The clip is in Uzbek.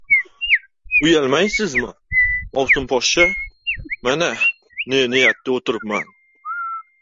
— Uyalmaysizmi, ovsin poshsha! Mana, ne niyatda o‘tiribman.